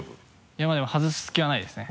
いやでも外す気はないですね。